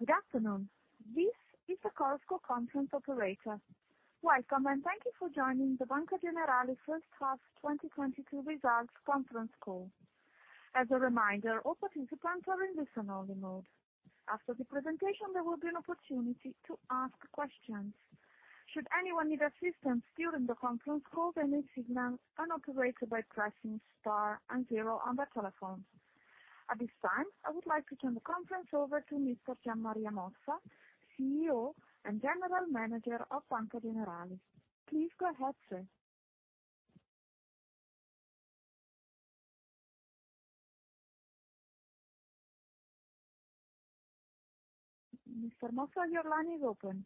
Good afternoon. This is the Chorus Call conference operator. Welcome, and thank you for joining the Banca Generali first half 2022 results conference call. As a reminder, all participants are in listen-only mode. After the presentation, there will be an opportunity to ask questions. Should anyone need assistance during the conference call, they may signal an operator by pressing star and zero on their telephone. At this time, I would like to turn the conference over to Mr. Gian Maria Mossa, CEO and General Manager of Banca Generali. Please go ahead, sir. Mr. Mossa, your line is open.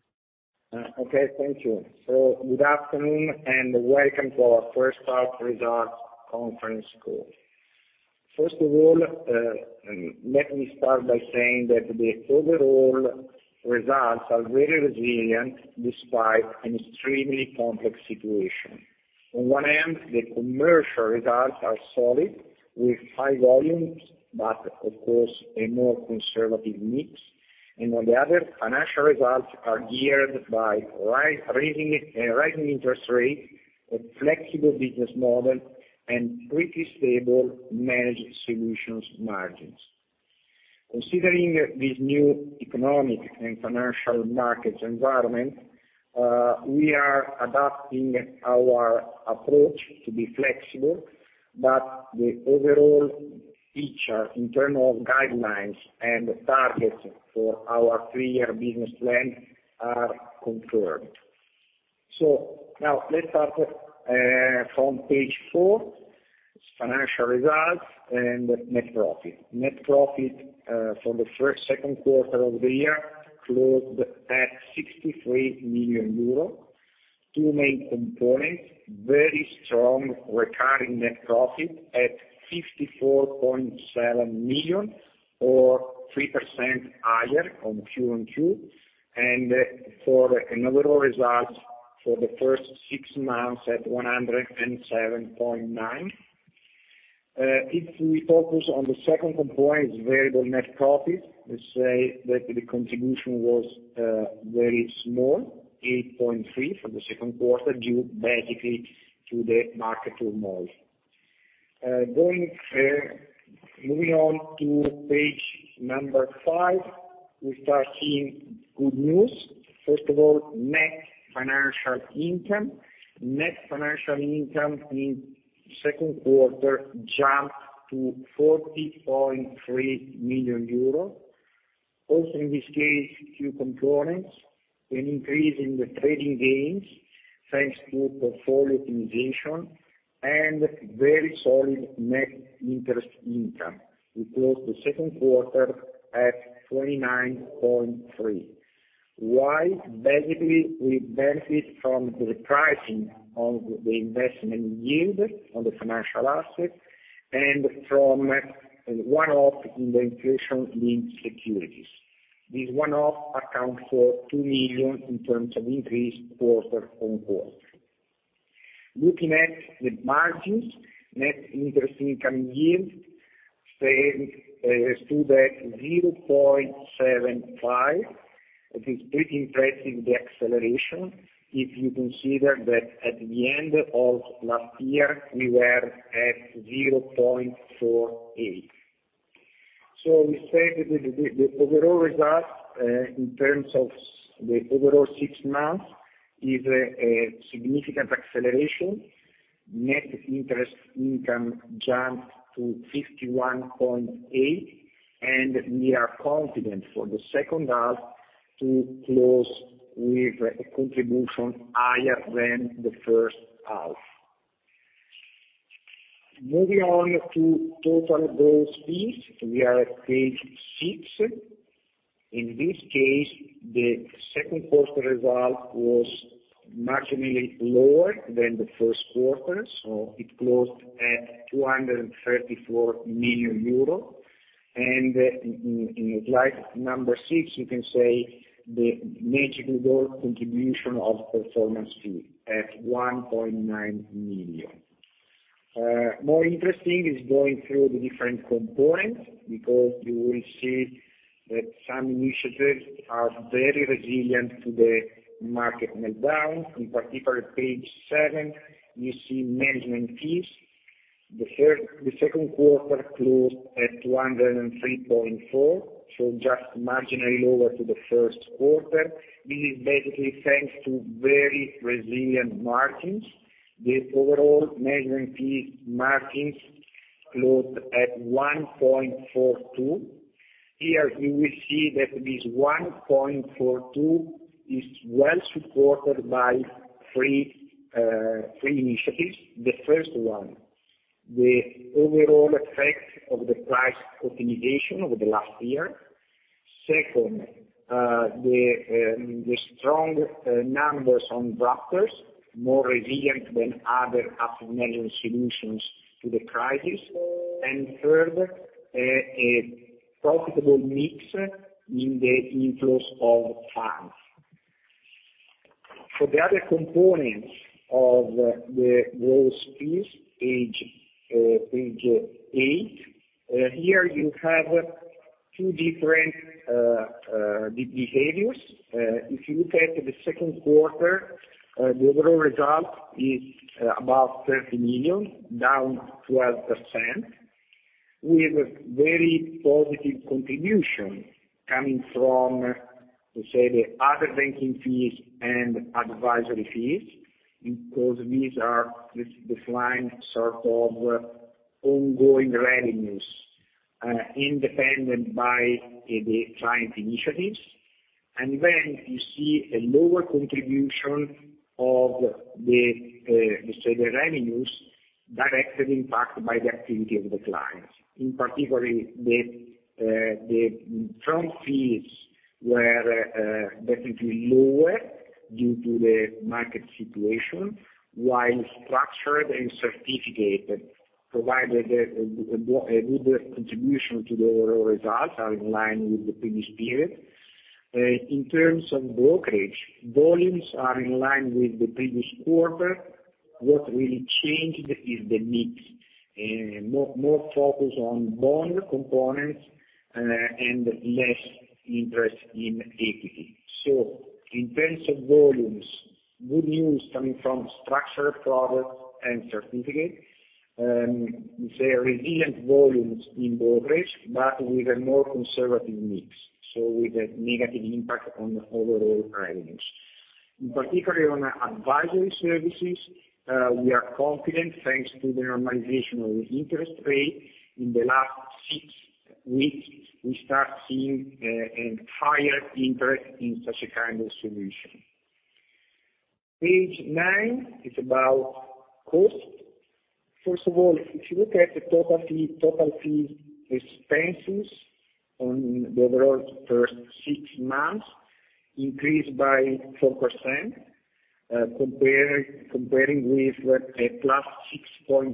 Thank you. Good afternoon and welcome to our first half results conference call. First of all, let me start by saying that the overall results are very resilient despite an extremely complex situation. On one hand, the commercial results are solid with high volumes, but of course a more conservative mix. On the other hand, financial results are geared by rising interest rates, a flexible business model, and pretty stable managed solutions margins. Considering this new economic and financial market environment, we are adapting our approach to be flexible, but the overall picture in terms of guidelines and targets for our three-year business plan are confirmed. Now let's start from Page four, financial results and net profit. Net profit for the first half of the year closed at 63 million euro. Two main components, very strong recurring net profit at 54.7 million or 3% higher on QoQ. For an overall result for the first six months at 107.9 million. If we focus on the second component, variable net profit, let's say that the contribution was very small, 8.3 million for the second quarter, due basically to the market turmoil. Moving on to Page five, we start seeing good news. First of all, net financial income. Net financial income in second quarter jumped to 40.3 million euros. Also, in this case, two components, an increase in the trading gains, thanks to portfolio optimization and very solid net interest income, which was the second quarter at 29.3 million. Why? Basically, we benefit from the pricing of the investment yield on the financial assets and from a one-off in the inflation-linked securities. This one-off accounts for 2 million in terms of increase quarter-on-quarter. Looking at the margins, net interest income yield standing at 0.75%. It is pretty impressive, the acceleration, if you consider that at the end of last year we were at 0.48%. We say that the overall result in terms of the overall six months is a significant acceleration. Net interest income jumped to 51.8, and we are confident for the second half to close with a contribution higher than the first half. Moving on to total gross fees, we are at Page six. In this case, the second quarter result was marginally lower than the first quarter, so it closed at 234 million euro. In Slide six, you can see the major global contribution of performance fee at 1.9 million. More interesting is going through the different components because you will see that some initiatives are very resilient to the market meltdown. In particular, Page seven you see management fees. The second quarter closed at 203.4 million, so just marginally lower than the first quarter. This is basically thanks to very resilient margins. The overall management fees margins closed at 1.42%. Here you will see that this 1.42% is well supported by three initiatives. The first one, the overall effect of the price optimization over the last year. Second, the strong numbers on wrappers, more resilient than other asset management solutions to the crisis. Third, a profitable mix in the inflows of funds. For the other components of the gross fees, Page eight, here you have two different behaviors. If you look at the second quarter, the overall result is about 30 million, down 12% with very positive contribution coming from, let's say, the other banking fees and advisory fees, because these are the client sort of ongoing revenues, independent of the client initiatives. Then you see a lower contribution of the, let's say the revenues directly impacted by the activity of the clients. In particular, the front fees were definitely lower due to the market situation, while structured and certificates provided a good contribution to the overall results, are in line with the previous period. In terms of brokerage, volumes are in line with the previous quarter. What really changed is the mix, more focus on bond components, and less interest in equity. In terms of volumes, good news coming from structured products and certificates, say, resilient volumes in brokerage, but with a more conservative mix, so with a negative impact on the overall revenues. In particular, on advisory services, we are confident, thanks to the normalization of interest rates. In the last six weeks, we start seeing a higher interest in such a kind of solution. Page nine is about costs. First of all, if you look at the total fee, total fee expenses on the overall first six months increased by 4%, compared with a +6.5%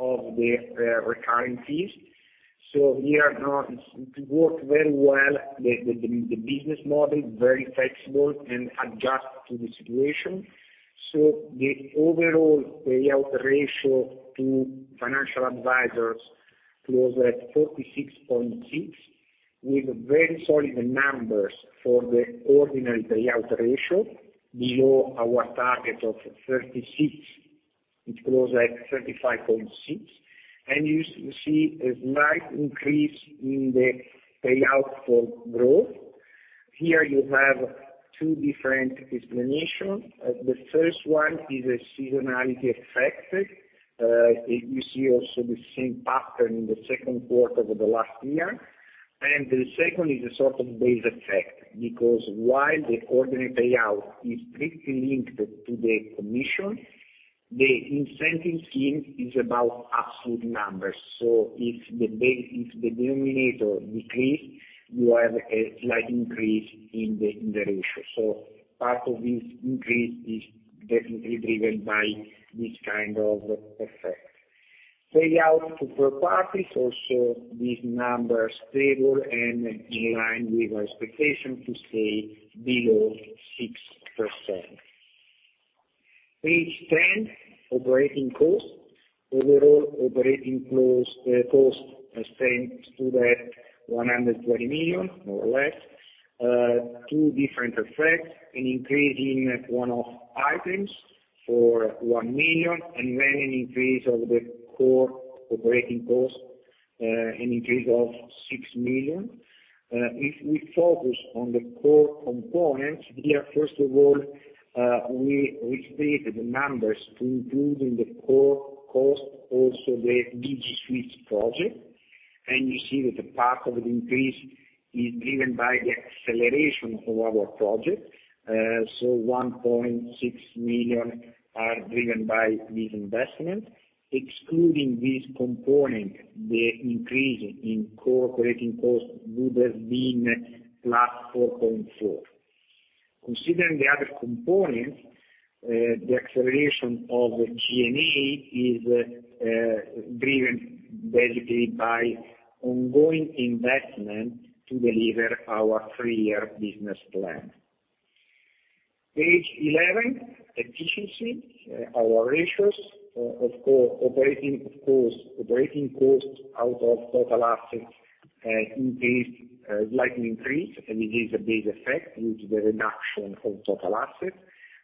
of the recurring fees. We are now. It worked very well. The business model, very flexible and adjust to the situation. The overall payout ratio to financial advisors closed at 46.6%, with very solid numbers for the ordinary payout ratio below our target of 36%, it closed at 35.6%. You see a slight increase in the payout for growth. Here you have two different explanations. The first one is a seasonality effect. You see also the same pattern in the second quarter of the last year. The second is a sort of base effect because while the ordinary payout is strictly linked to the commission, the incentive scheme is about absolute numbers. If the denominator decreases, you have a slight increase in the ratio. Part of this increase is definitely driven by this kind of effect. Payout to third parties also these numbers stable and in line with our expectation to stay below 6%. Page 10, operating costs. Overall operating costs staying at 120 million, more or less. Two different effects, an increase in one-off items of 1 million, and then an increase of the core operating costs of 6 million. If we focus on the core components here, first of all, we restated the numbers to include in the core cost also the DG Suite project. You see that a part of the increase is driven by the acceleration of our project. So 1.6 million are driven by this investment. Excluding this component, the increase in core operating costs would have been +4.4%. Considering the other components, the acceleration of G&A is driven basically by ongoing investment to deliver our three-year business plan. Page 11, efficiency. Our ratios of operating cost out of total assets increased slightly, and it is a base effect due to the reduction of total assets.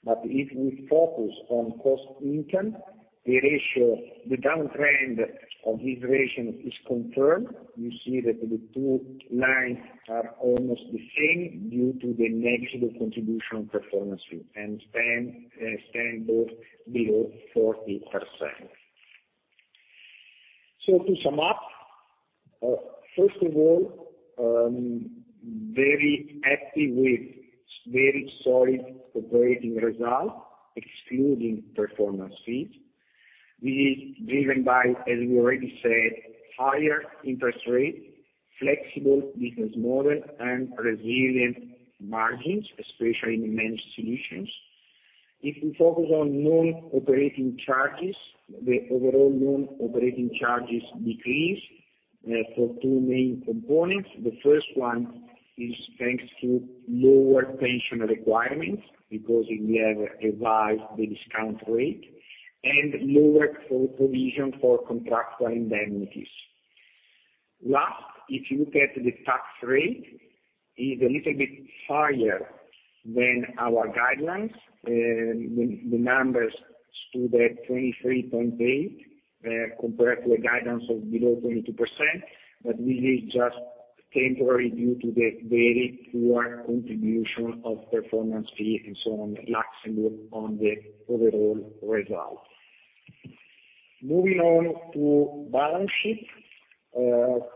If we focus on cost income, the ratio, the downtrend of this ratio is confirmed. You see that the two lines are almost the same due to the negative contribution performance fee and staying both below 40%. To sum up, first of all, very happy with very solid operating results, excluding performance fees. This is driven by, as we already said, higher interest rates, flexible business model and resilient margins, especially in managed solutions. If we focus on non-operating charges, the overall non-operating charges decrease for two main components. The first one is thanks to lower pension requirements, because we have revised the discount rate, and lower for provision for contractual indemnities. Last, if you look at the tax rate, is a little bit higher than our guidelines. The numbers stood at 23.8%, compared to a guidance of below 22%. This is just temporary due to the very poor contribution of performance fee and so on Luxembourg on the overall results. Moving on to balance sheet,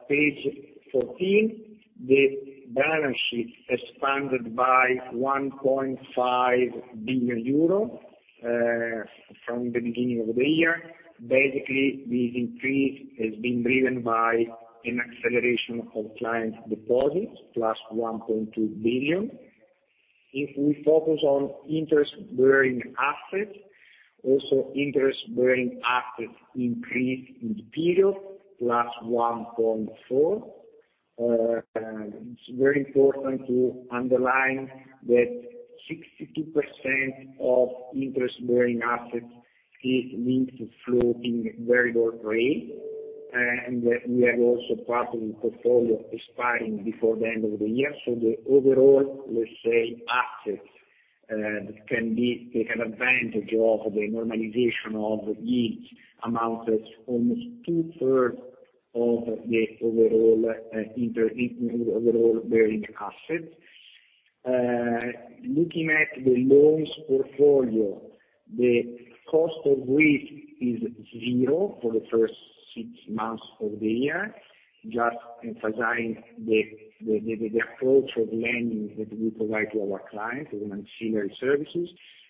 Page 14. The balance sheet expanded by 1.5 billion euro from the beginning of the year. Basically, this increase has been driven by an acceleration of client deposits, +1.2 billion. If we focus on interest-bearing assets, also interest-bearing assets increased in the period, +1.4%. It's very important to underline that 62% of interest-bearing assets is linked to floating variable rate. We have also part of the portfolio expiring before the end of the year. The overall, let's say, assets can be taken advantage of the normalization of yields amounted almost 2/3 of the overall interest-bearing assets. Looking at the loans portfolio, the cost of risk is zero for the first six months of the year. Just emphasizing the approach of lending that we provide to our clients with ancillary services.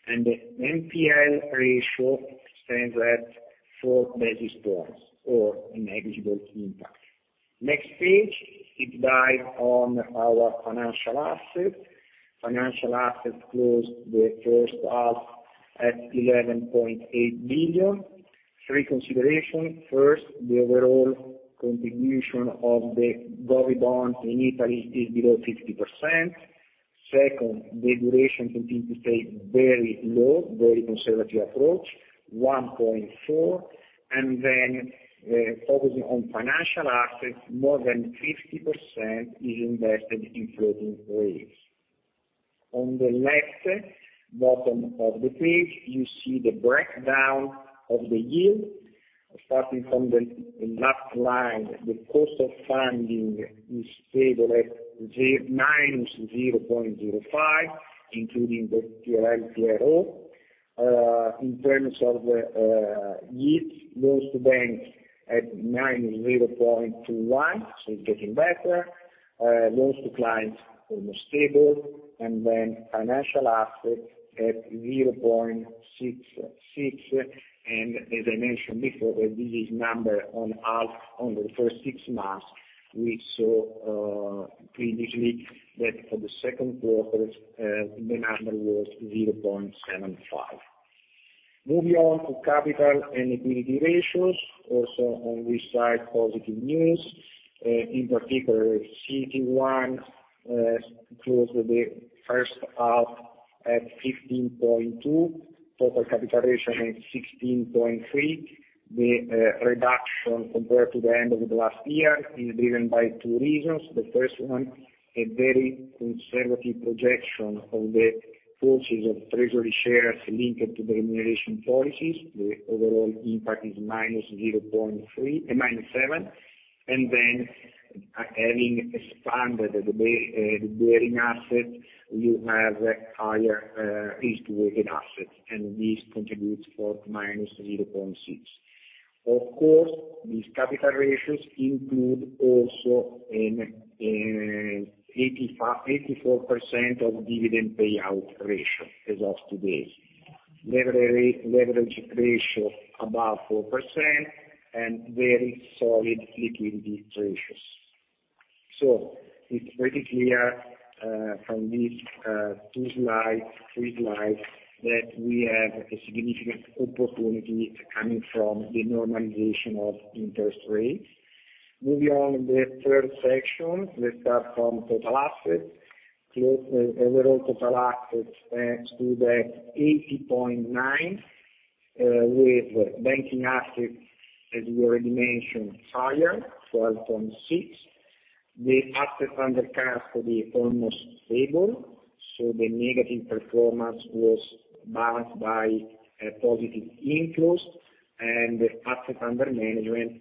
The NPL ratio stands at 4 basis points or a negligible impact. Next page, it dives on our financial assets. Financial assets closed the first half at 11.8 billion. Three considerations. First, the overall contribution of the government bonds in Italy is below 50%. Second, the duration continues to stay very low, very conservative approach, 1.4%. Then, focusing on financial assets, more than 50% is invested in floating rates. On the left, bottom of the page, you see the breakdown of the yield. Starting from the last line, the cost of funding is stable at -0.05%, including the TLTRO. In terms of the yields, loans to banks at -0.21%, so it's getting better. Loans to clients almost stable, and then financial assets at 0.66%. As I mentioned before, this is the number for the first six months. We saw previously that for the second quarter, the number was 0.75%. Moving on to capital and liquidity ratios. Also on this side, positive news. In particular, CET1 closed the first half at 15.2%. Total capital ratio is 16.3%. The reduction compared to the end of the last year is driven by two reasons. The first one, a very conservative projection of the purchase of treasury shares linked to the remuneration policies. The overall impact is -0.3%, -7%. Having expanded the bearing assets, you have higher risk-weighted assets, and this contributes for -0.6%. Of course, these capital ratios include also an 84% dividend payout ratio as of today. Leverage ratio above 4% and very solid liquidity ratios. It's pretty clear from these three slides that we have a significant opportunity coming from the normalization of interest rates. Moving on, the third section, let's start from total assets. Overall total assets stood at 80.9 million, with banking assets, as we already mentioned, higher 12.6 million. The assets under custody almost stable, so the negative performance was balanced by a positive inflows. The assets under management,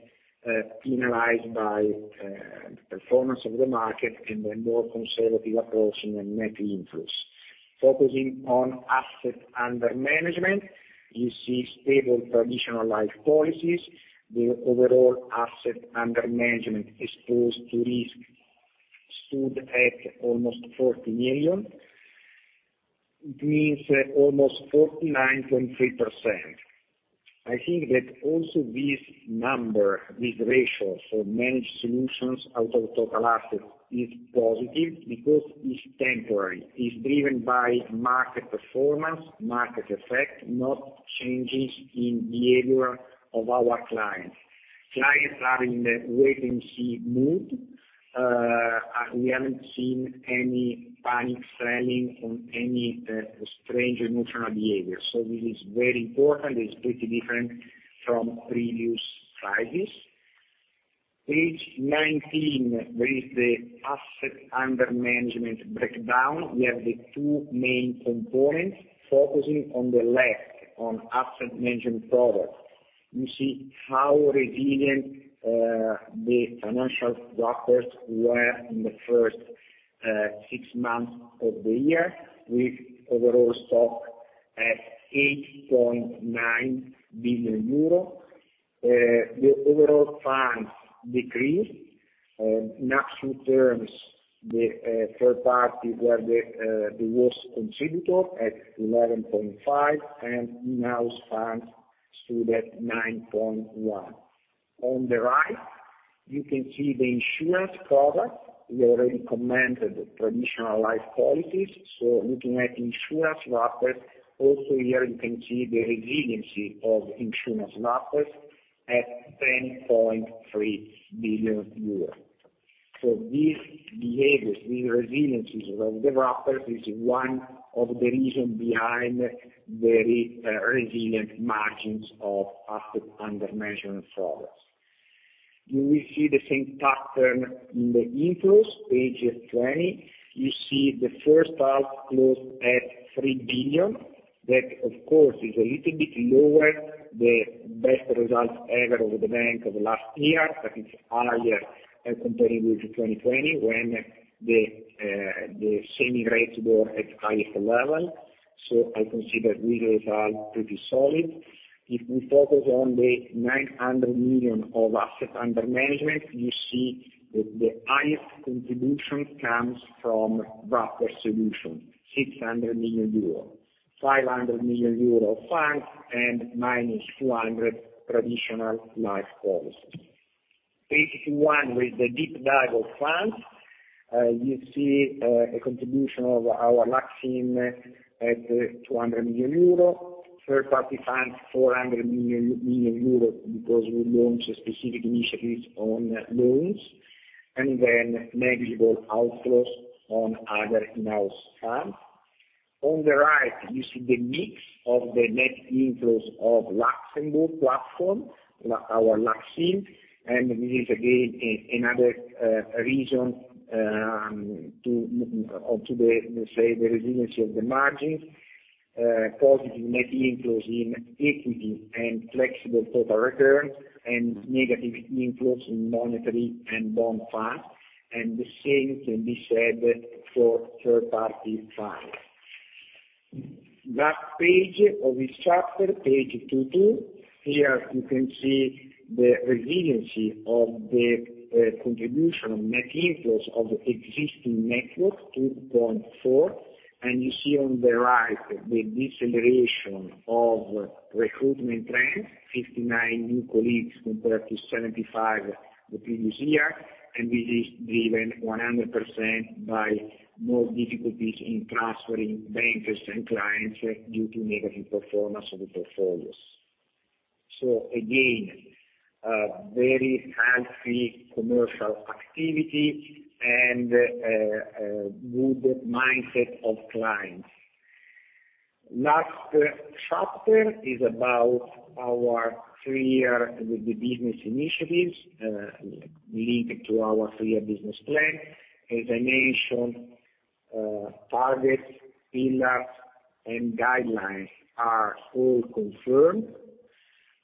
penalized by the performance of the market and a more conservative approach in the net inflows. Focusing on assets under management, you see stable traditional life policies. The overall assets under management exposed to risk stood at almost 40 million. It means almost 49.3%. I think that also this number, this ratio for managed solutions out of total assets is positive because it's temporary. It's driven by market performance, market effect, not changes in behavior of our clients. Clients are in the wait-and-see mood. We haven't seen any panic selling or any strange emotional behavior. This is very important. It's pretty different from previous crises. Page 19, there is the asset under management breakdown. We have the two main components, focusing on the left, on asset management product. You see how resilient the financial wrappers were in the first six months of the year with overall stock at 8.9 billion euro. The overall funds decreased. In absolute terms, the third party were the worst contributor at 11.5 billion, and in-house funds stood at 9.1 billion. On the right, you can see the insurance product. We already commented traditional life policies, so looking at insurance wrappers, also here you can see the resiliency of insurance wrappers at EUR 10.3 billion. This behavior, this resiliency of the wrapper is one of the reason behind the resilient margins of assets under management products. We will see the same pattern in the inflows. Page 20. You see the first half closed at 3 billion. That, of course, is a little bit lower than the best result ever for the bank last year, but it's higher as compared with the 2020 when the rates were at lowest level. I consider this result pretty solid. If we focus on the 900 million of assets under management, you see that the highest contribution comes from wrapper solutions, 600 million euro. 500 million euro funds and -200 million traditional life policies. Page 21, with the deep dive of funds, you see a contribution of our LUX IM at 200 million euro. Third-party funds, 400 million euro because we launched a specific initiatives on loans, and then negligible outflows on other in-house funds. On the right, you see the mix of the net inflows of Luxembourg platform, our LUX IM, and this is again another reason to the resiliency of the margins. Positive net inflows in equity and flexible total return and negative inflows in monetary and bond funds. The same can be said for third-party funds. Last page of this chapter, Page 22. Here you can see the resiliency of the contribution of net inflows of existing networks, 2.4%. You see on the right, the deceleration of recruitment trends, 59 new colleagues compared to 75 the previous year. This is driven 100% by more difficulties in transferring bankers and clients due to negative performance of the portfolios. Again, a very healthy commercial activity and a good mindset of clients. Last chapter is about our three-year business initiatives linked to our three-year business plan. As I mentioned, targets, pillars, and guidelines are all confirmed.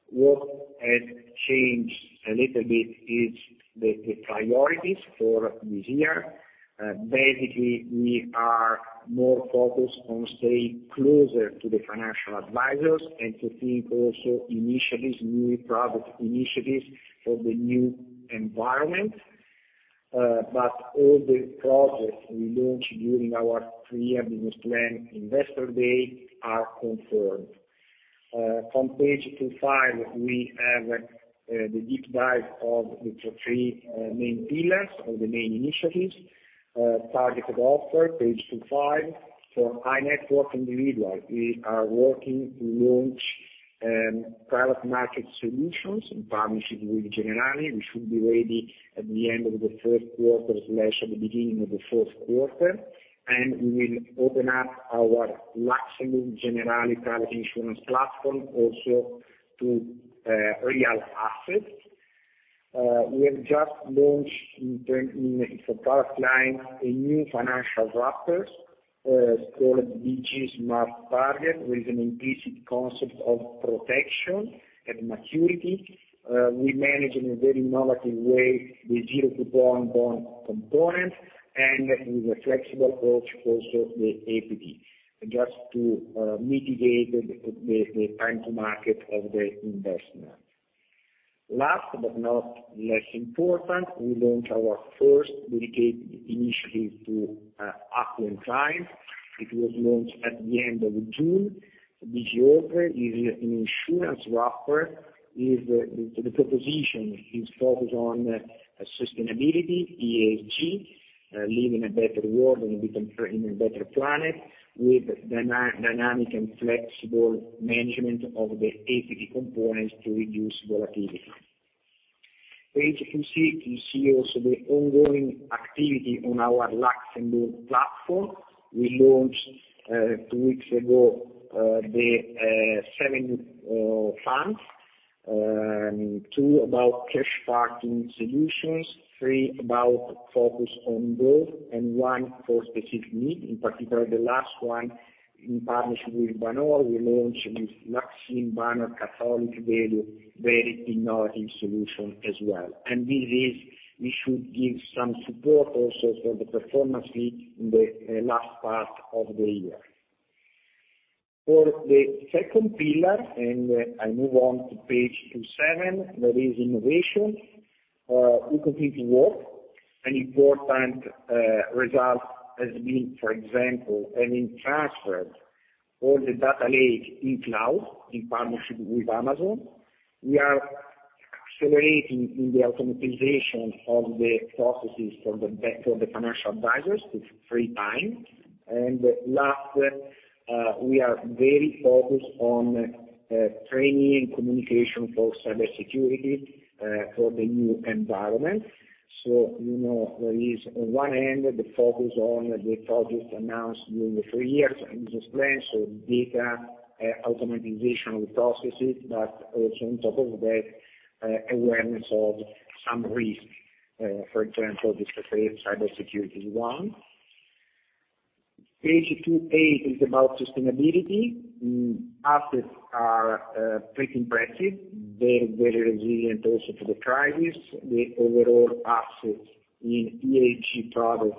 What has changed a little bit is the priorities for this year. Basically, we are more focused on staying closer to the financial advisors and bringing also initiatives, new product initiatives for the new environment. All the projects we launched during our three-year business plan investor day are confirmed. From Page 25, we have the deep dive of the three main pillars or the main initiatives. Targeted offer, Page 25. For high-net-worth individuals, we are working to launch private market solutions in partnership with Generali, which should be ready at the end of the third quarter or the beginning of the fourth quarter. We will open up our Luxembourg Generali private insurance platform also to real assets. We have just launched, for private clients, a new financial wrapper called DG Smart Target, with an implicit concept of protection and maturity. We manage in a very innovative way the zero coupon bond component and with a flexible approach also the equity, just to mitigate the time to market of the investment. Last but not least important, we launched our first dedicated initiative to affluent clients. It was launched at the end of June. This offer is an insurance wrapper. The proposition is focused on sustainability, ESG, living a better world and becoming a better planet with dynamic and flexible management of the equity components to reduce volatility. Page 26, you see also the ongoing activity on our Luxembourg platform. We launched two weeks ago the seven funds. Two about cash parking solutions, three about focus on growth and one for specific need. In particular, the last one in partnership with BlackRock. We launched this LUX IM Catholic Value, very innovative solution as well. This is. We should give some support also for the performance fee in the last part of the year. For the second pillar, I move on to Page 27, that is innovation. We continue to work. An important result has been, for example, having transferred all the data lake to the cloud in partnership with Amazon. We are accelerating in the automation of the processes for the financial advisors to free up time. Last, we are very focused on training and communication for cybersecurity for the new environment. You know, there is on one end the focus on the project announced during the three-year plan, so data, automation of the processes, but also on top of that, awareness of some risk. For example, let's just say, cybersecurity is one. Page 28 is about sustainability. Assets are pretty impressive. Very, very resilient also to the crisis. The overall assets in ESG products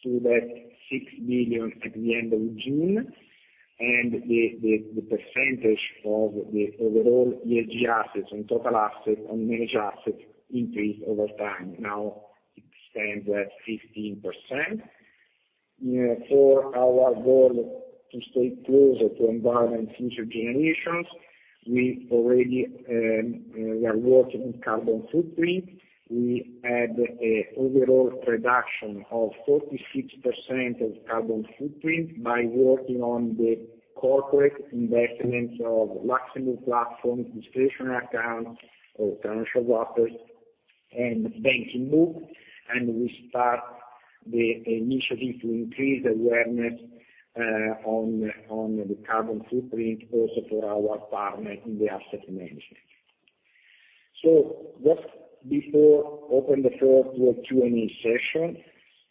stood at 6 billion at the end of June. The percentage of the overall ESG assets on total assets, on managed assets increased over time. Now it stands at 15%. For our goal to stay closer to the environment for future generations, we are working on carbon footprint. We had an overall reduction of 46% of carbon footprint by working on the corporate investments of Luxembourg platform, discretionary accounts or commercial wrappers and banking book. We start the initiative to increase awareness on the carbon footprint also for our partner in the asset management. Just before open the floor to a Q&A session,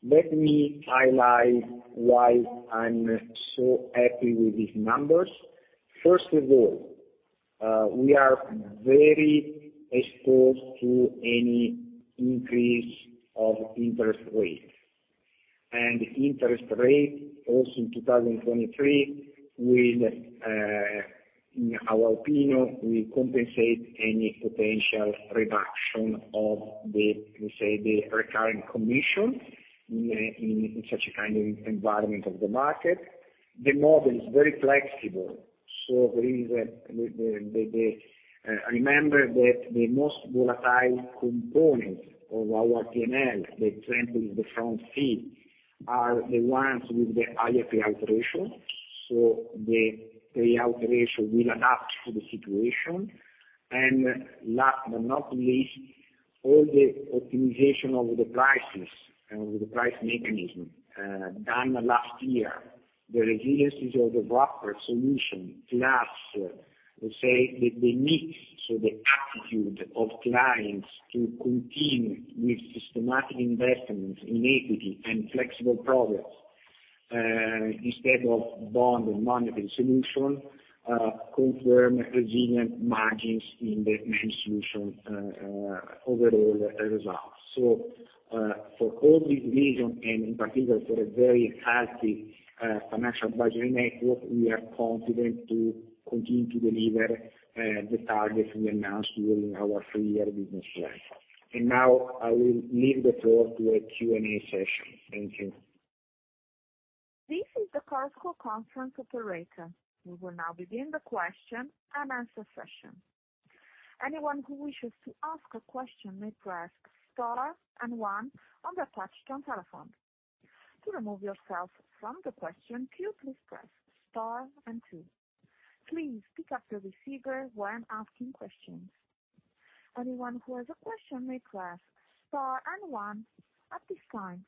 let me highlight why I'm so happy with these numbers. First of all, we are very exposed to any increase of interest rates. Interest rate also in 2023 will, in our opinion, compensate any potential reduction of the, let's say, recurring commission in such a kind of environment of the market. The model is very flexible, there is a Remember that the most volatile component of our P&L, the front fee, are the ones with the higher payout ratio. The payout ratio will adapt to the situation. But not least, all the optimization of the prices and with the price mechanism done last year, the resiliency of the wrapper solution plus, let's say, the mix, so the aptitude of clients to continue with systematic investments in equity and flexible products instead of bond and monetary solution confirm resilient margins in the main solution overall results. For all these reasons, and in particular for a very healthy financial advisory network, we are confident to continue to deliver the targets we announced during our three-year business plan. Now I will leave the floor to a Q&A session. Thank you. This is the Banca conference operator. We will now begin the question-and-answer session. Anyone who wishes to ask a question may press star and one on their touch-tone telephone. To remove yourself from the question queue, please press star and two. Please pick up your receiver when asking questions. Anyone who has a question may press star and one at this time.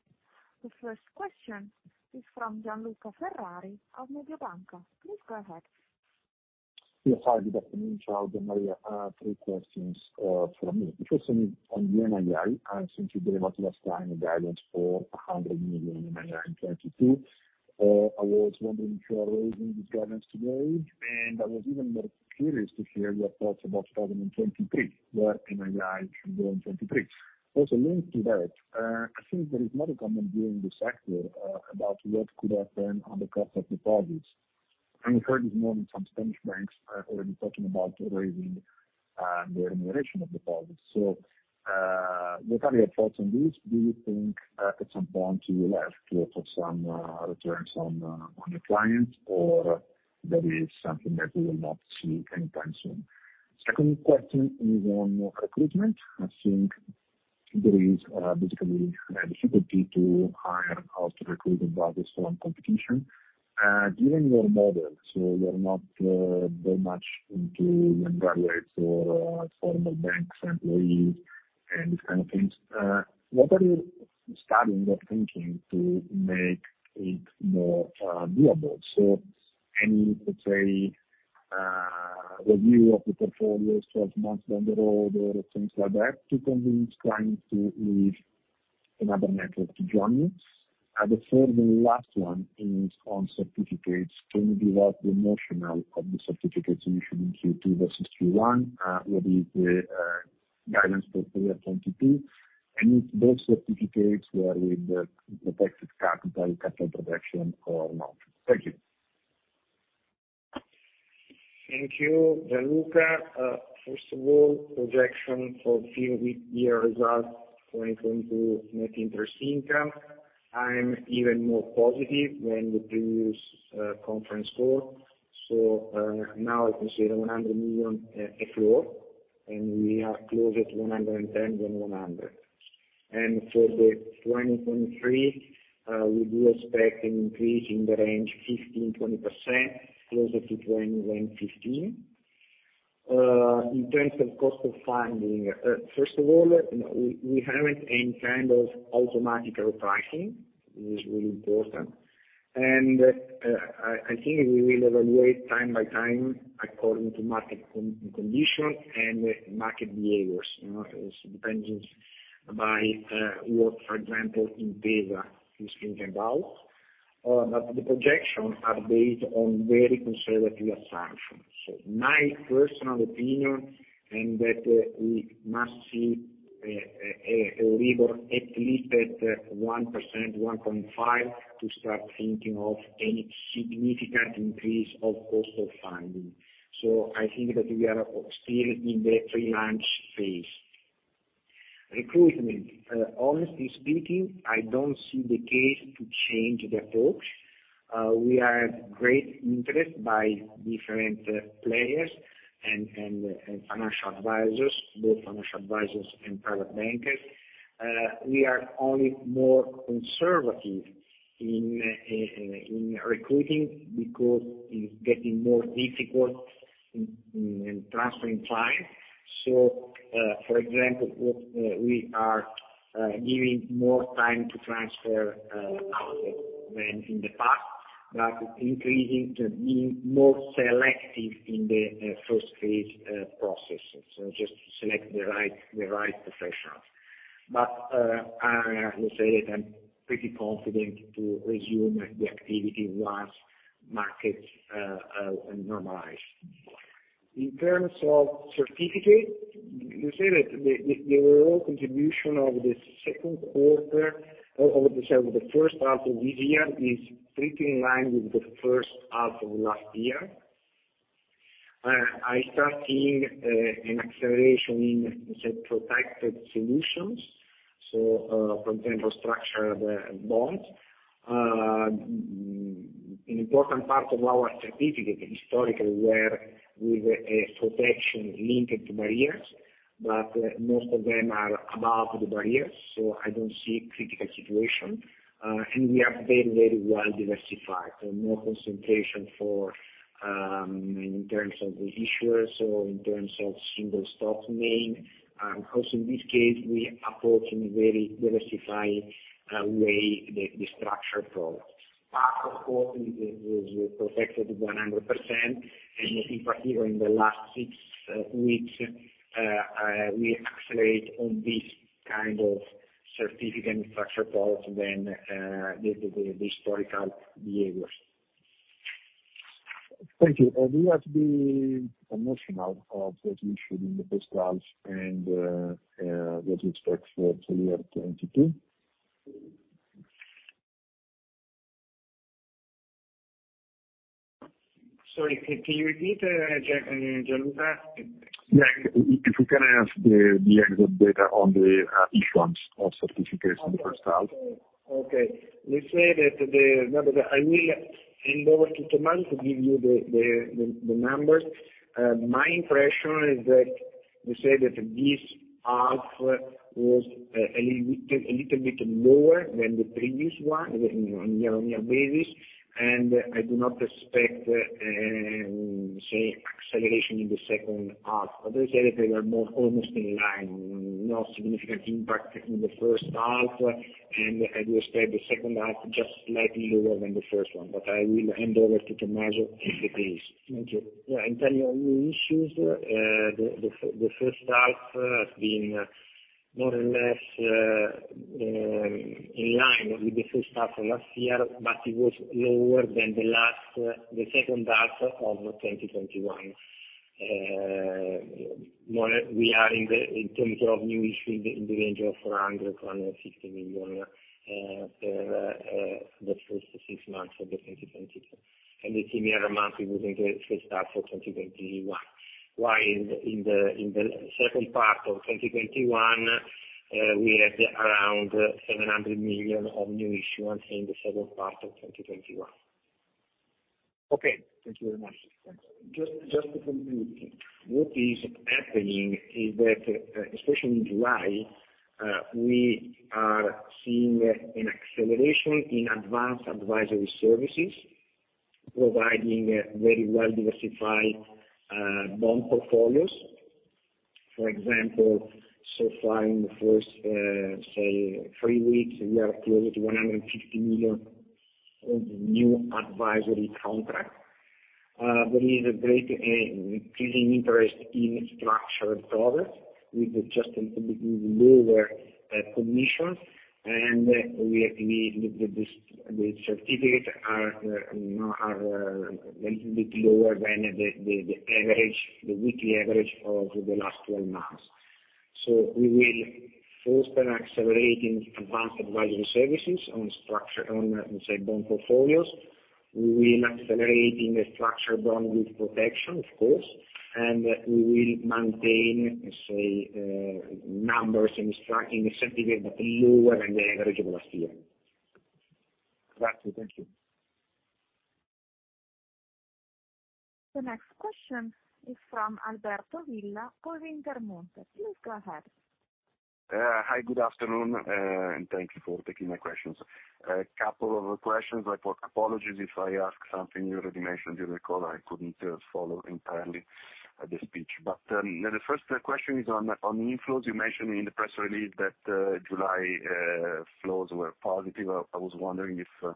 The first question is from Gian Luca Ferrari of Mediobanca. Please go ahead. Yes. Hi, good afternoon. Ciao, Gian Maria. Three questions from me. The first one is on NII. Since you delivered last time a guidance for 100 million NII in 2022, I was wondering if you are raising this guidance today, and I was even more curious to hear your thoughts about 2023, where NII can go in 2023. Also linked to that, I think there is not a comment during this actual about what could happen on the cost of deposits. We've heard this morning some Spanish banks are already talking about raising the remuneration of deposits. What are your thoughts on this? Do you think it's important to have to offer some returns on the clients, or that is something that we will not see anytime soon? Second question is on recruitment. I think there is basically a difficulty to hire or to recruit advisors from competition. Given your model, you're not very much into graduates or former bank employees and these kind of things, what are you studying or thinking to make it more doable? Any, let's say, review of the portfolios twelve months down the road or things like that to convince clients to leave another network to join you. The third and last one is on certificates. Can you give us the notional of the certificate solution in Q2 versus Q1? What is the guidance for full year 2022? Those certificates, were they the protected capital protection or not? Thank you. Thank you, Gian Luca. First of all, projection for full year results when it comes to net interest income, I'm even more positive than the previous conference call. Now I consider 100 million a floor, and we are closer to 110 million than 100 million. For the 2023, we do expect an increase in the range 15%-20%, closer to 20% than 15%. In terms of cost of funding, first of all, you know, we haven't any kind of automatic repricing, is really important. I think we will evaluate time by time according to market conditions and market behaviors. You know, is dependent by what, for example, Intesa is thinking about. But the projections are based on very conservative assumptions. My personal opinion and that we must see a Euribor at least at 1%-1.5% to start thinking of any significant increase of cost of funding. I think that we are still in the free lunch phase. Recruitment. Honestly speaking, I don't see the case to change the approach. We have great interest by different players and financial advisors, both financial advisors and private bankers. We are only more conservative in recruiting because it's getting more difficult in transferring clients. For example, we are giving more time to transfer assets than in the past, but increasing to be more selective in the first phase processes. Just to select the right professionals. I will say that I'm pretty confident to resume the activity once markets normalize. In terms of certificate, you say that the overall contribution of the second quarter, the first half of this year is pretty in line with the first half of last year. I start seeing an acceleration in protected solutions, so for example, structured bonds. An important part of our certificate historically were with a protection linked to barriers, but most of them are above the barriers, so I don't see critical situation. We are very well diversified, so no concentration in terms of the issuers or in terms of single stock name. Also in this case, we approach in a very diversified way the structured products. Part of course is protected 100%. In particular in the last six weeks, we accelerate on this kind of certificate and structured products than the historical behaviors. Thank you. Do you have the notional of what you issued in the first half and what you expect for full year 2022? Sorry, can you repeat, Gian Luca? Yeah. If we can have the exit data on the issuance of certificates in the first half. Okay. I will hand over to Tommaso to give you the numbers. My impression is that we say that this half was a little bit lower than the previous one on year-over-year basis, and I do not expect say acceleration in the second half. We say that they were more almost in line. No significant impact in the first half, and I do expect the second half just slightly lower than the first one. I will hand over to Tommaso if it is. Thank you. Yeah, in terms of new issues, the first half has been more or less in line with the first half of last year, but it was lower than the second half of 2021. Moreover, we are in terms of new issuance in the range of 400 million-450 million for the first six months of 2020. A similar amount we would engage in the first half of 2021. While in the second part of 2021, we had around 700 million of new issuance in the second part of 2021. Okay. Thank you very much. Just to complete. What is happening is that, especially in July, we are seeing an acceleration in advanced advisory services providing very well-diversified bond portfolios. For example, so far in the first, say, three weeks, we are close to 150 million of new advisory contract. There is a great increasing interest in structured products with just a little bit lower commissions. We agree that the certificates are, you know, a little bit lower than the average, the weekly average of the last 12 months. We will foster and accelerate in advanced advisory services on structured, say, bond portfolios. We will accelerate in the structured bond with protection, of course, and we will maintain, let's say, numbers and structured certificates, but lower than the average of last year. Got you. Thank you. The next question is from Alberto Villa for Intermonte. Please go ahead. Hi, good afternoon, and thank you for taking my questions. A couple of questions. Apologies if I ask something you already mentioned during the call. I couldn't follow entirely the speech. The first question is on inflows. You mentioned in the press release that July flows were positive. I was wondering if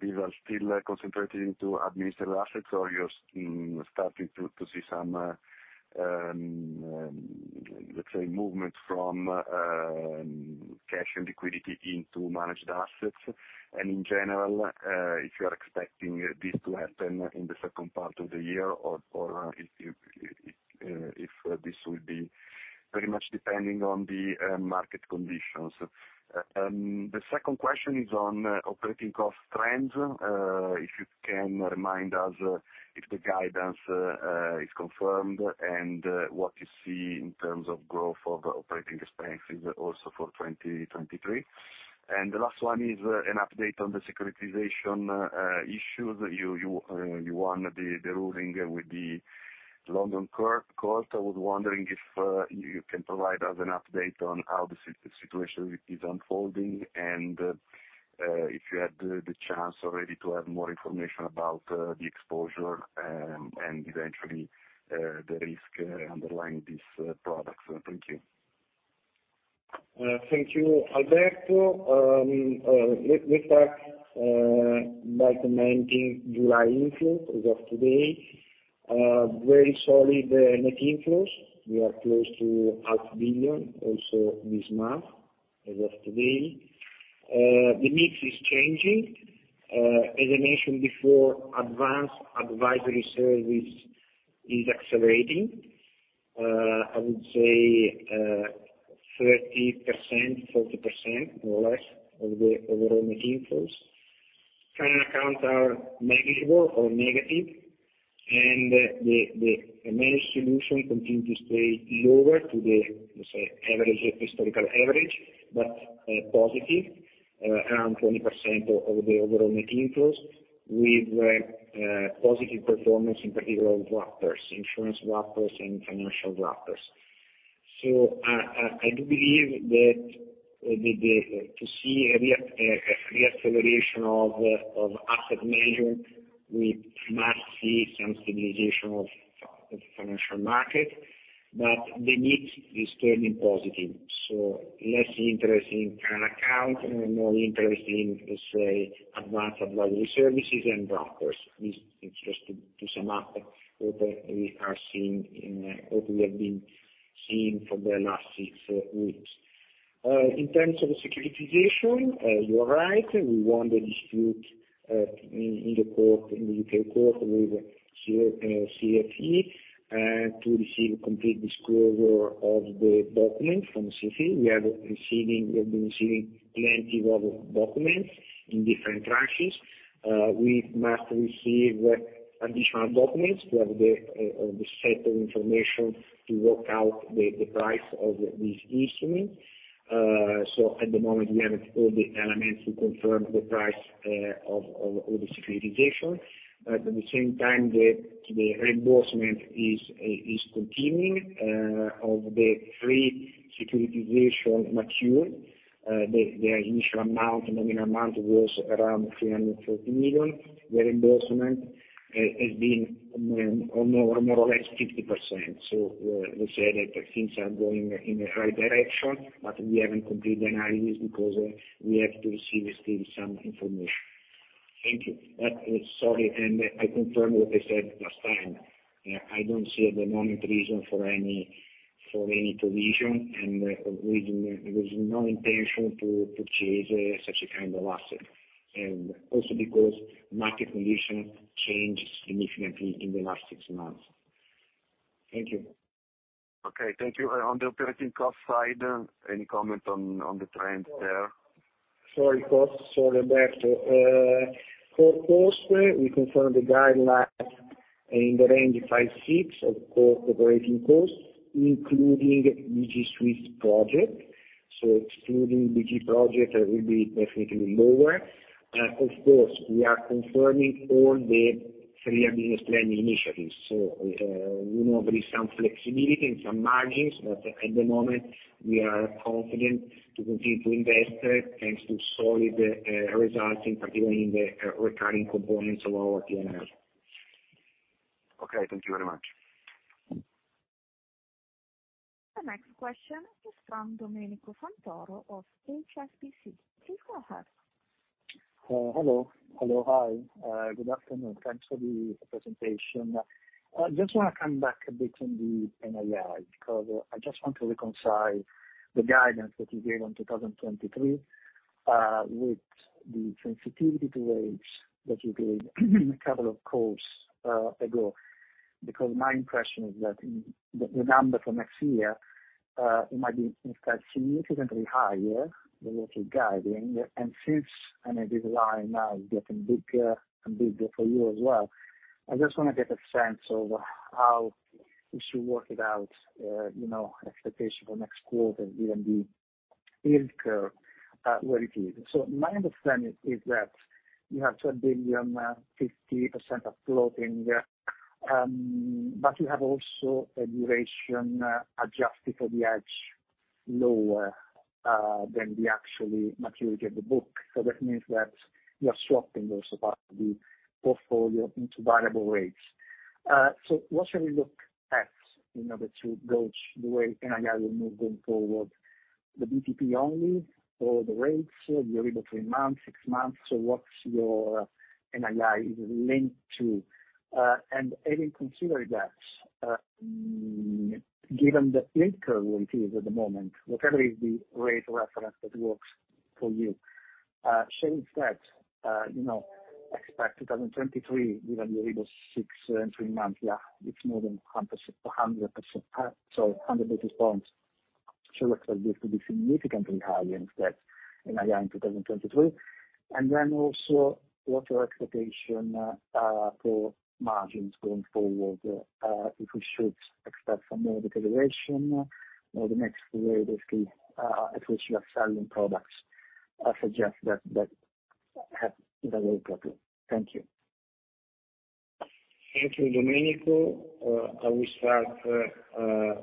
these are still concentrated into administered assets, or you're starting to see some, let's say movements from cash and liquidity into managed assets. And in general, if you are expecting this to happen in the second part of the year, or if this will be very much depending on the market conditions. The second question is on operating cost trends. If you can remind us if the guidance is confirmed, and what you see in terms of growth of operating expenses also for 2023. The last one is an update on the securitization issues. You won the ruling with the London Court. I was wondering if you can provide us an update on how the situation is unfolding, and if you had the chance already to have more information about the exposure, and eventually the risk underlying these products. Thank you. Thank you, Alberto. Let's start by commenting July inflows as of today. Very solid net inflows. We are close to EUR half a billion also this month, as of today. The mix is changing. As I mentioned before, advanced advisory service is accelerating, I would say, 30%, 40%, more or less of the overall net inflows. Current accounts are negligible or negative. The managed solution continue to stay lower than the, let's say, average, historical average, but positive around 20% of the overall net inflows with positive performance, in particular, wrappers, insurance wrappers and financial wrappers. I do believe that to see a re-acceleration of asset management, we must see some stabilization of the financial market, but the need is turning positive. Less interest in current account and more interest in, let's say, advanced advisory services and wrappers. This is just to sum up what we have been seeing for the last six weeks. In terms of securitization, you are right. We won the dispute in the court, in the U.K. court with CFE to receive complete disclosure of the document from CFE. We have been receiving plenty of documents in different tranches. We must receive additional documents to have the set of information to work out the price of this instrument. At the moment, we haven't all the elements to confirm the price of the securitization. At the same time, the reimbursement is continuing of the three securitizations that mature. The initial amount, nominal amount was around 340 million. The reimbursement has been more or less 50%. We say that things are going in the right direction, but we haven't complete the analysis because we have to receive still some information. Thank you. Sorry. I confirm what I said last time. I don't see at the moment reason for any provision and within there is no intention to change such a kind of asset. Also because market condition changed significantly in the last six months. Thank you. Okay. Thank you. On the operating cost side, any comment on the trends there? Sorry, costs. Sorry about that. For costs, we confirm the guideline in the 5%-6% range of core operating costs, including DG Suite project. Excluding DG project, it will be definitely lower. Of course, we are confirming all the three business planning initiatives. We know there is some flexibility and some margins, but at the moment we are confident to continue to invest, thanks to solid results, in particular in the recurring components of our P&L. Okay. Thank you very much. The next question is from Domenico Santoro of HSBC. Please go ahead. Hello. Good afternoon. Thanks for the presentation. Just want to come back a bit on the NII, because I just want to reconcile the guidance that you gave on 2023 with the sensitivity to rates that you gave a couple of calls ago. Because my impression is that the number for next year it might be in fact significantly higher than what you're guiding. And since I know this line now is getting bigger and bigger for you as well, I just wanna get a sense of how we should work it out, you know, expectation for next quarter, given the yield curve where it is. My understanding is that you have 2 billion, 50% of floating. You have also a duration adjusted for the hedge lower than the actual maturity of the book. That means that you are swapping those parts of the portfolio into variable rates. What should we look at in order to gauge the way NII will move going forward? The BTP only, or the rates, the Euribor three-month, six-month? What's your NII linked to? Having considered that, given the yield curve where it is at the moment, whatever is the rate reference that works for you shows that, you know, expect 2023 given the Euribor six- and three-month, yeah, it's more than 100%. 100 basis points should expect this to be significantly higher instead in NII in 2023. Also, what's your expectation for margins going forward? If we should expect some more deterioration or the next wave, if we should have certain products suggest that they have developed properly. Thank you. Thank you, Domenico. I will start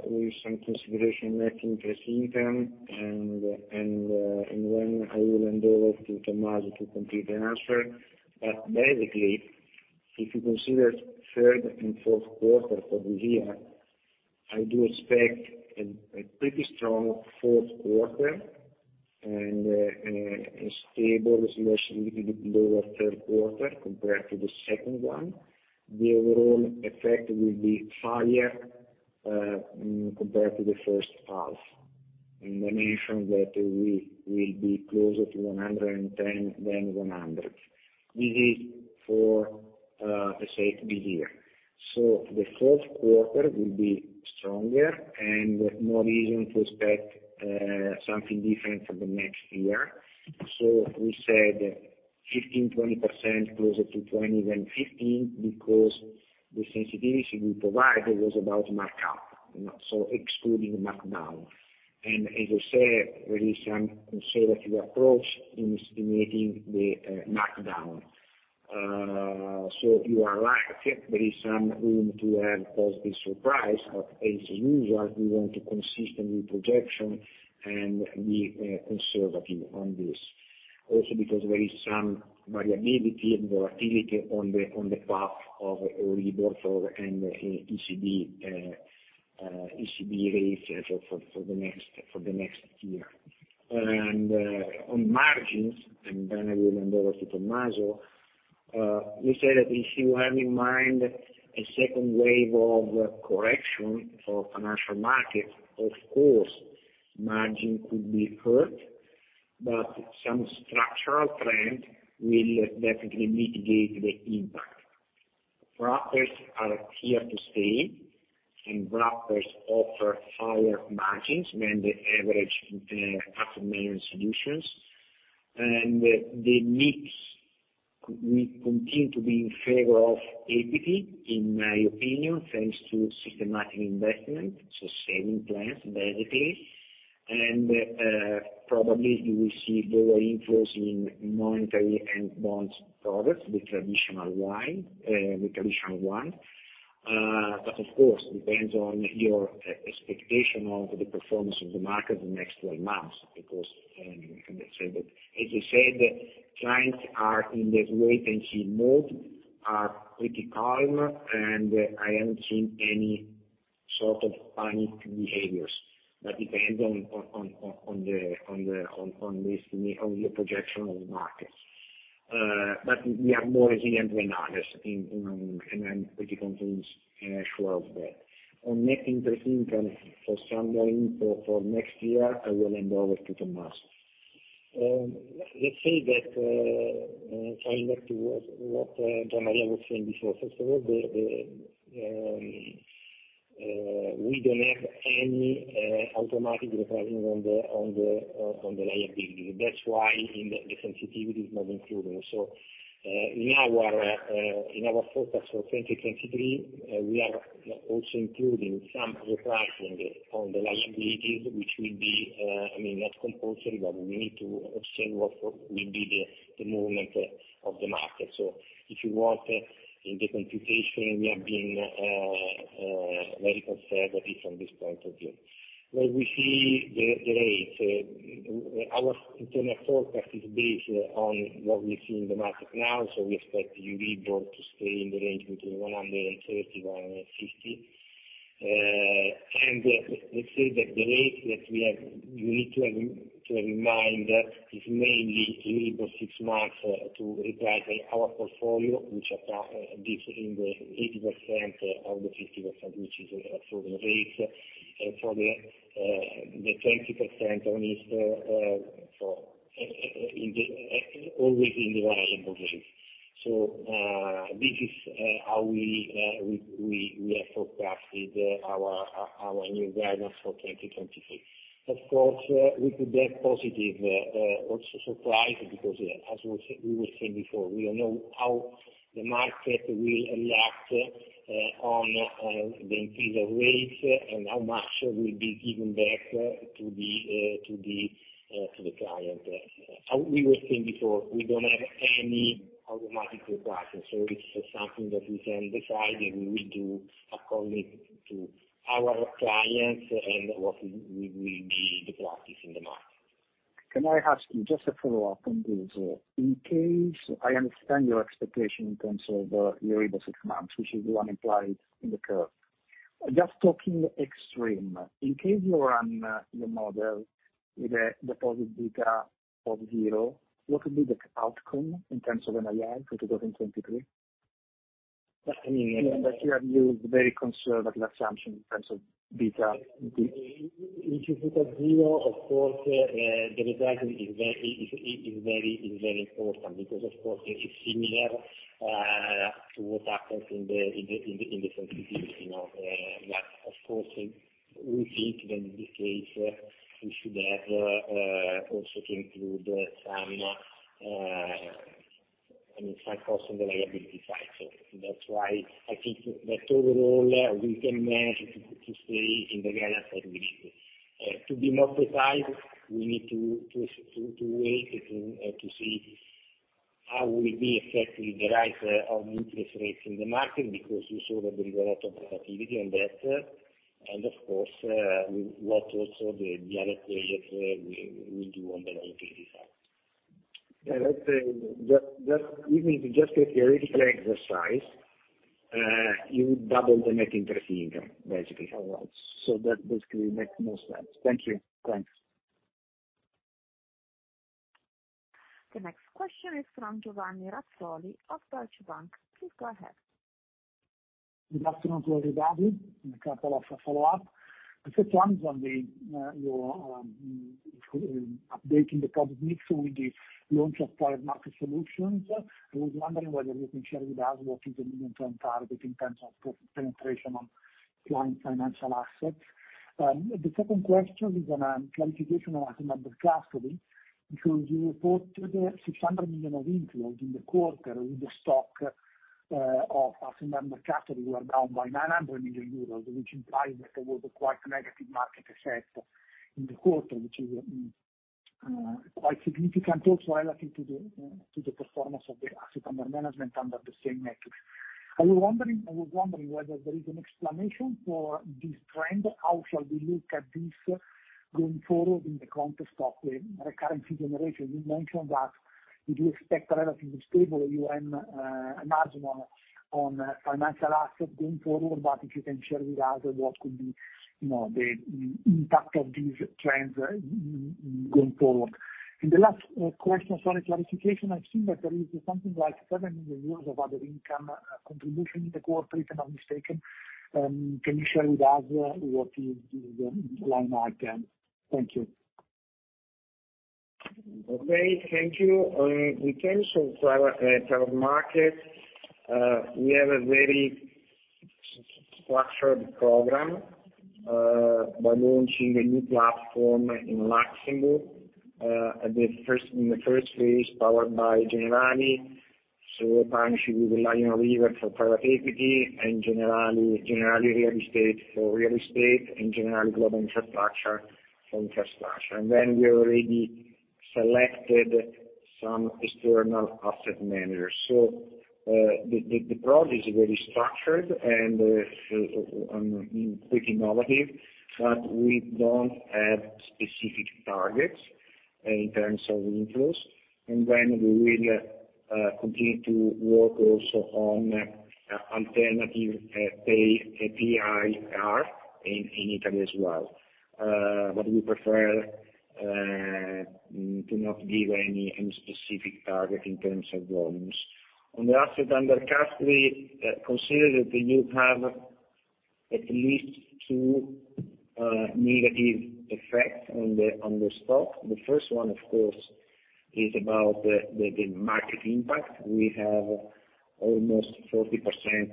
with some considerations on net interest income and then I will hand over to Tommaso to complete the answer. Basically, if you consider third and fourth quarter for the year, I do expect a pretty strong fourth quarter and a stable to slightly lower third quarter compared to the second one. The overall effect will be higher compared to the first half. I mentioned that we will be closer to 110% than 100%. This is for, let's say, the year. The fourth quarter will be stronger and no reason to expect something different for the next year. We said 15%-20%, closer to 20% than 15% because the sensitivity we provided was about markup, you know, so excluding markdown. As I said, there is some conservative approach in estimating the markdown. You are right, there is some room to have positive surprise. As usual, we want a consistent projection and be conservative on this. Also because there is some variability and volatility on the path of Euribor and ECB rates for the next year. On margins, and then I will hand over to Tommaso. We said if you have in mind a second wave of correction for financial markets, of course margin could be hurt. Some structural trend will definitely mitigate the impact. Brokers are here to stay, and brokers offer higher margins than the average customer solutions. The mix will continue to be in favor of equity, in my opinion, thanks to systematic investment, so savings plans, basically. Probably you will see lower inflows in monetary and bonds products, the traditional ones. Of course depends on your expectation of the performance of the market in the next 12 months, because, as I said, as you said, clients are in the wait and see mode, are pretty calm, and I haven't seen any sort of panic behaviors. That depends on your projection of the market. We are more resilient than others in, and I'm pretty convinced and sure of that. On net interest income for some guidance for next year, I will hand over to Tommaso. Let's say that, coming back to what Gian Maria was saying before, first of all, we don't have any automatic repricing on the liabilities. That's why the sensitivity is not included. In our forecast for 2023, we are also including some repricing on the liabilities, which will be, I mean, not compulsory, but we need to observe what will be the movement of the market. If you want, in the computation, we have been very conservative from this point of view. When we see the rates, our internal forecast is based on what we see in the market now, so we expect Euribor to stay in the range between 130% and 150%. Let's say that the rate that we have we need to have to have in mind is mainly Euribor six months to reprice our portfolio, which is in the 80% or the 50%, which is a floating rate, for the 20% on this in the always in the available rates. This is how we have forecasted our new guidance for 2024. Of course, we could have positive also surprise because as we said, we were saying before, we don't know how the market will react on the increase of rates and how much will be given back to the client. How we were saying before, we don't have any automatic repricing, so it's something that we can decide, and we will do according to our clients and what will be the practice in the market. Can I ask you just a follow-up on this? In case I understand your expectation in terms of the Euribor six months, which is the one implied in the curve. Just talking extreme, in case you run your model with a deposit beta of zero, what would be the outcome in terms of NII for 2023? I mean, we have used very conservative assumption in terms of beta input. If you put a zero, of course, the repricing is very important because of course it's similar to what happens in the sensitivity, you know. But of course, we think that in this case we should have also to include some, I mean, some cost on the liability side. That's why I think that overall we can manage to stay in the guidance that we give. To be more precise, we need to wait to see how will be affected the rise of interest rates in the market because we saw that there is a lot of volatility on that. Of course, what also the other players will do on the liability side. Yeah. That even if it's just a theoretical exercise, you would double the net interest income basically or else. That basically makes more sense. Thank you. Thanks. The next question is from Giovanni Razzoli of Deutsche Bank. Please go ahead. Good afternoon to everybody. A couple of follow-up. The first one is on your updating the product mix with the launch of private market solutions. I was wondering whether you can share with us what is the medium-term target in terms of product penetration on client financial assets. The second question is on clarification on assets under custody, because you reported EUR 600 million of inflows in the quarter with the stock of assets under custody down by 900 million euros, which implies that there was a quite negative market effect in the quarter, which is quite significant also relative to the performance of the assets under management under the same metrics. I was wondering whether there is an explanation for this trend. How shall we look at this going forward in the context of the recurring fee generation? You mentioned that you do expect a relatively stable AUM margin on financial assets going forward, but if you can share with us what could be, you know, the impact of these trends going forward. The last question, sorry, clarification. I've seen that there is something like 7 million euros of other income contribution in the quarter, if I'm not mistaken. Can you share with us what is the underlying item? Thank you. Okay, thank you. In terms of private market, we have a very structured program by launching a new platform in Luxembourg, in the first phase powered by Generali. A partnership with Lion River for private equity and Generali Real Estate for real estate and Generali Global Infrastructure for infrastructure. We already selected some external asset managers. The product is very structured and pretty innovative, but we don't have specific targets in terms of inflows. We will continue to work also on alternative PIR in Italy as well. We prefer to not give any specific target in terms of volumes. On the asset under custody, consider that you have at least two negative effects on the stock. The first one, of course, is about the market impact. We have almost 40%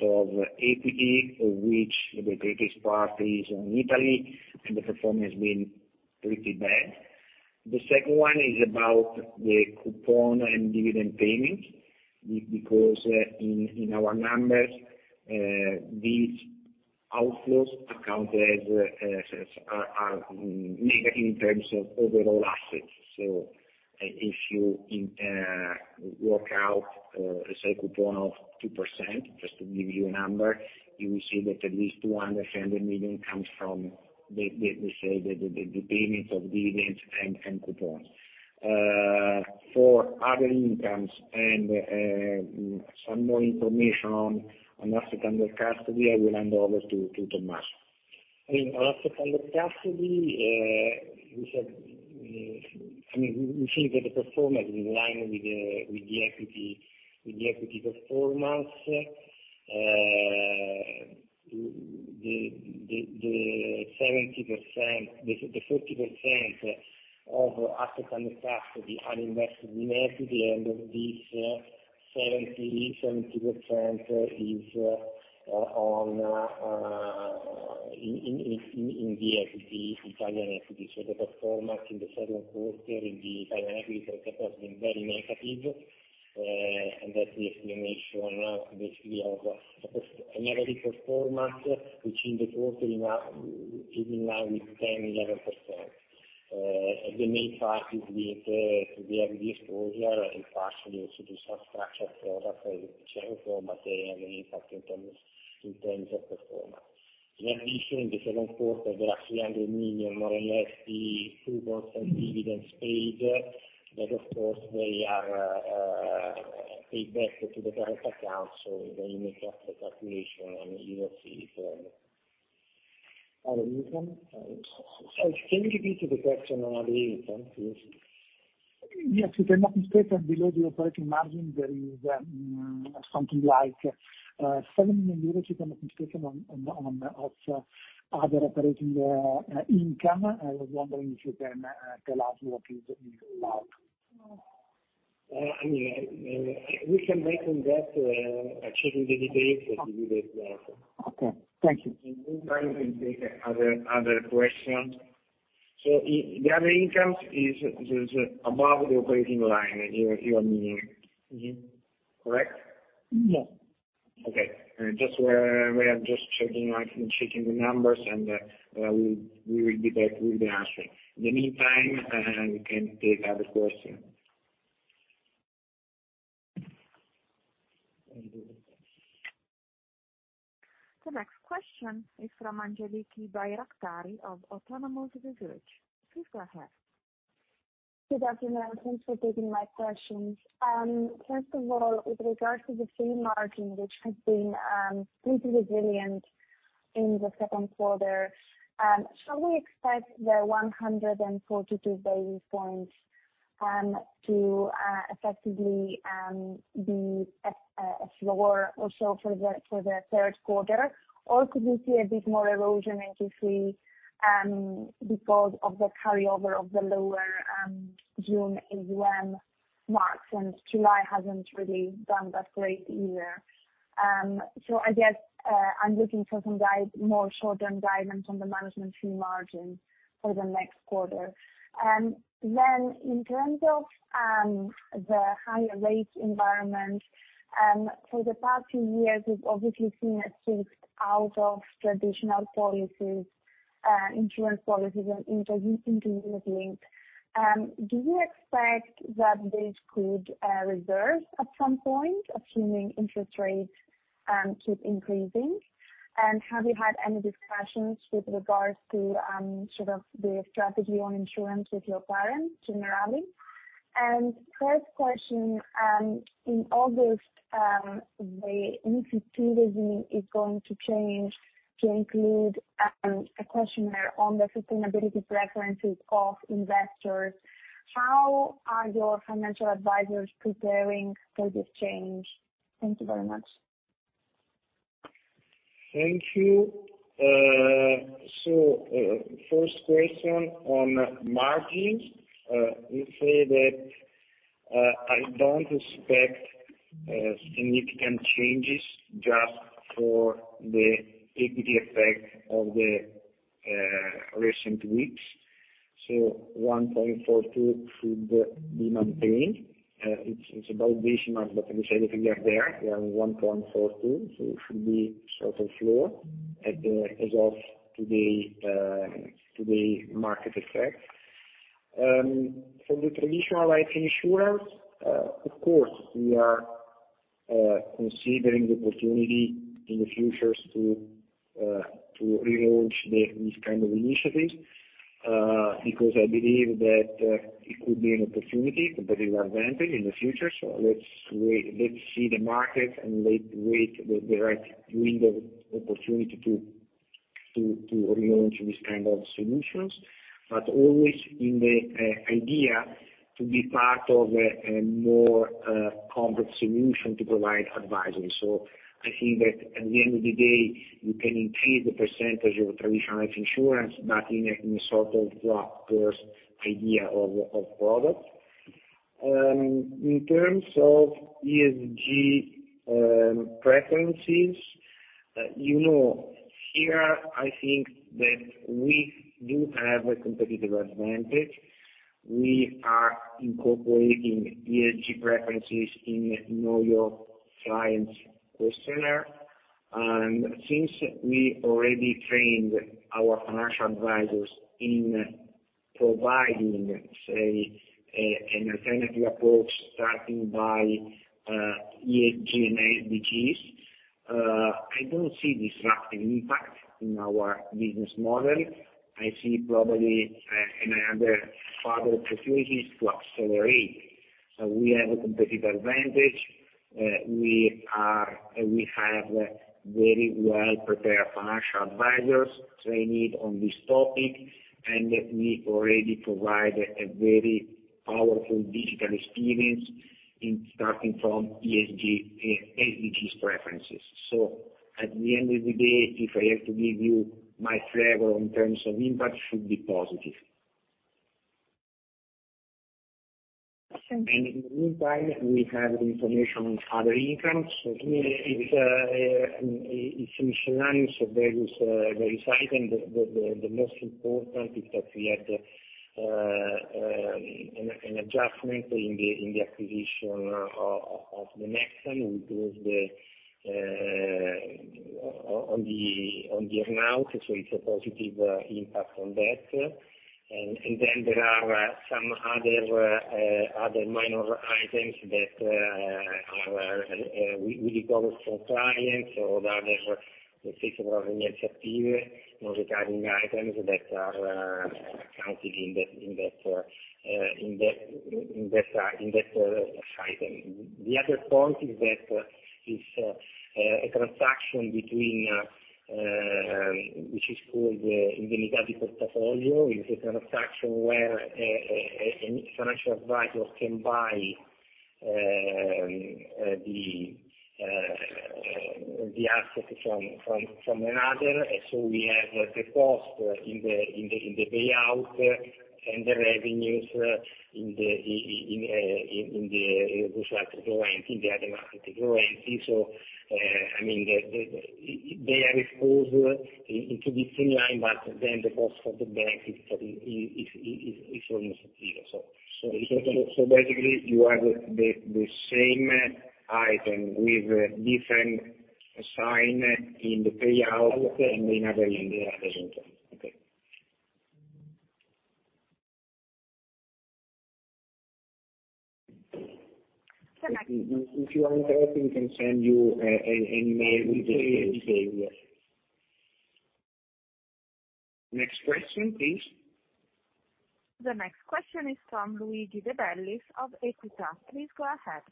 of equity, of which the greatest part is in Italy, and the performance has been pretty bad. The second one is about the coupon and dividend payment, because in our numbers these outflows are counted as negative in terms of overall assets. If you work out, let's say, a coupon of 2%, just to give you a number, you will see that at least 200 million comes from the payments of dividends and coupons. For other incomes and some more information on assets under custody, I will hand over to Tommaso. I mean, on asset under custody, we said, I mean, we think that the performance is in line with the equity performance. The 40% of asset under custody are invested in equity, and of this, 70% is in the equity, Italian equity. The performance in the second quarter in the Italian equity has, of course, been very negative, and that's the explanation of this, the overall negative performance, which in the quarter is in line with 10%-11%. The main part is the RB exposure and partially also the structured products, which have a material impact in terms of performance. In addition, in the second quarter, there are 300 million more or less the coupons and dividends paid, but of course they are paid back to the current account, so they make up the calculation, and you will see it there. Other income? Can you repeat the question on other income, please? Yes. In the income statement below the operating margin, there is something like 7 million euros, if I'm not mistaken, of other operating income. I was wondering if you can tell us what is it made up. I mean, we can work on that. Checking the details, we give you the answer. Okay. Thank you. In the meantime, we can take another question. The other income is above the operating line, you mean. Mm-hmm. Correct? No. Okay. Just, we are just checking, like, checking the numbers, and we will be back with the answer. In the meantime, we can take other question. The next question is from Angeliki Bairaktari of Autonomous Research. Please go ahead. Good afternoon. Thanks for taking my questions. First of all, with regards to the fee margin, which has been pretty resilient in the second quarter, shall we expect the 142 basis points to effectively be at a floor also for the third quarter? Or could we see a bit more erosion in Q3 because of the carryover of the lower June AUM marks, and July hasn't really done that great either. I guess I'm looking for some guidance, more short-term guidance on the management fee margin for the next quarter. In terms of the higher rate environment, for the past few years, we've obviously seen a shift out of traditional policies, insurance policies and into unit linked. Do you expect that this could reverse at some point, assuming interest rates keep increasing? Have you had any discussions with regards to sort of the strategy on insurance with your parent, Generali? Third question, in August the initiative is going to change to include a questionnaire on the sustainability preferences of investors. How are your financial advisors preparing for this change? Thank you very much. Thank you. First question on margins. We say that, I don't expect significant changes just for the AP effect of the recent weeks. One point forty-two should be maintained. It's about this much, but as I said, if you look there, 1.42%, so it should be sort of floor at the, as of today market effect. For the traditional life insurance, of course, we are considering the opportunity in the future to relaunch this kind of initiatives, because I believe that it could be an opportunity to better our advantage in the future. Let's wait. Let's see the market and let's wait for the right window of opportunity to relaunch this kind of solutions, but always in the idea to be part of a more complex solution to provide advisory. I think that at the end of the day, you can increase the percentage of traditional life insurance, but in a sort of wrapper-first idea of products. In terms of ESG preferences, you know, here, I think that we do have a competitive advantage. We are incorporating ESG preferences in know your client questionnaire. Since we already trained our financial advisors in providing, say, an alternative approach, starting by ESG and SDGs, I don't see disruptive impact in our business model. I see probably another further opportunities to accelerate. We have a competitive advantage. We are... We have very well prepared financial advisors trained on this topic, and we already provide a very powerful digital experience in starting from ESG, SDGs preferences. At the end of the day, if I have to give you my flavor in terms of impact should be positive. Thank you. In the meantime, we have information on other incomes. It's a miscellaneous, very slight. The most important is that we had an adjustment in the acquisition of Nexi, which was on the amount. It's a positive impact on that. Then there are some other minor items that we recovered from clients or other Okay. Fixed probably initiative regarding items that are accounted in that item. The other point is that is a transaction between which is called the Mm-hmm. Vendita di portafoglio. It's a transaction where a financial advisor can buy the asset from another. We have the cost in the payout and the revenues in the Mm-hmm. I mean, they are exposed in two different line, but then the cost of the bank is almost zero. Basically you have the same item with different sign in the payout and in the other income. Okay. The next If you are interested, we can send you an email with the details. Okay. Next question, please. The next question is from Luigi De Bellis of Equita. Please go ahead.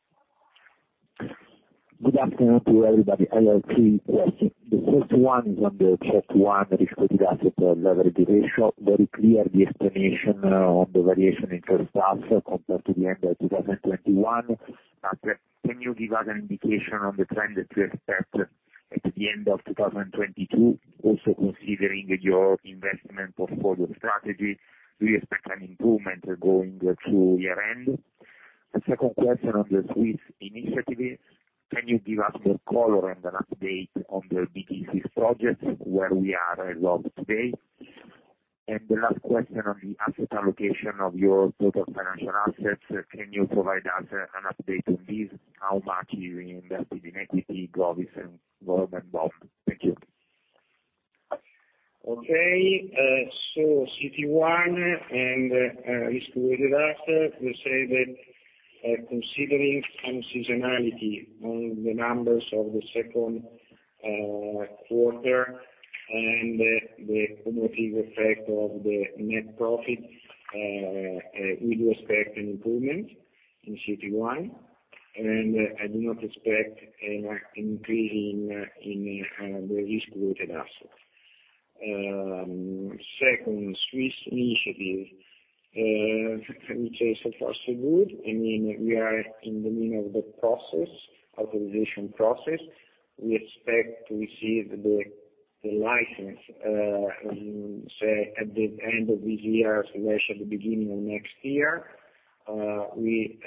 Good afternoon to everybody. I have three questions. The first one is on the CET1 risk-weighted asset leverage ratio. Very clear the explanation, on the variation in first half compared to the end of 2021. Can you give us an indication on the trend that you expect at the end of 2022, also considering your investment portfolio strategy, do you expect an improvement going through year end? The second question on the Swiss initiative, can you give us your color and an update on the BTPs projects where we are as of today? The last question on the asset allocation of your total financial assets, can you provide us an update on this, how much you invested in equity, govies and mortgages both? Thank you. Okay. CET1 and risk-weighted asset, we say that considering some seasonality on the numbers of the second quarter and the cumulative effect of the net profit, we do expect an improvement in CET1, and I do not expect increase in the risk-weighted asset. Second, Swiss initiative, which is so far so good. I mean, we are in the middle of the process, authorization process. We expect to receive the license, say, at the end of this year, perhaps at the beginning of next year. We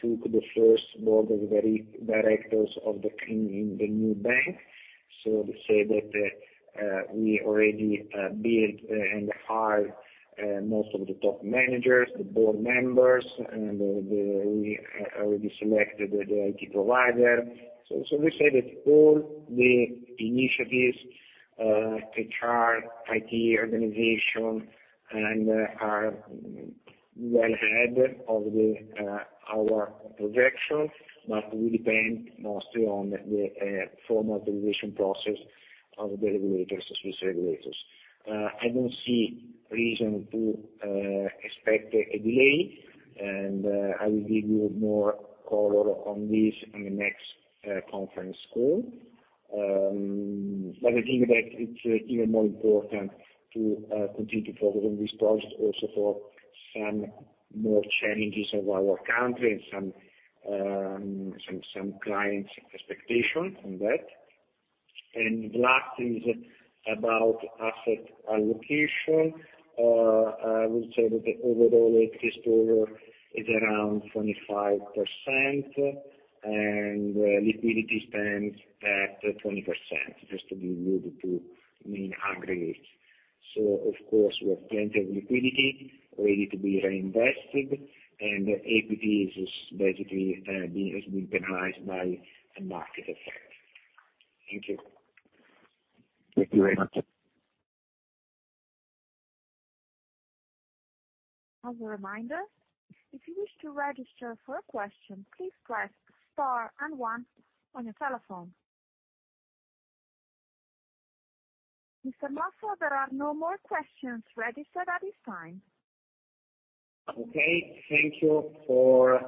took the first board of directors of the team in the new bank. So to say that we already built and hired most of the top managers, the board members, and. We have already selected the IT provider. We say that all the initiatives, HR, IT, organization, and are well ahead of our projection, but we depend mostly on the formal authorization process of the regulators, Swiss regulators. I don't see reason to expect a delay, and I will give you more color on this in the next conference call. I think that it's even more important to continue to focus on this project also for some more challenges of our country and some clients' expectation on that. Last is about asset allocation. I would say that the overall history is around 25%, and liquidity stands at 20%, just to give you the two main aggregates. Of course we have plenty of liquidity ready to be reinvested, and equity is basically being Has been penalized by a market effect. Thank you. Thank you very much. As a reminder, if you wish to register for a question, please press star and one on your telephone. Mr. Mossa, there are no more questions registered at this time. Okay. Thank you for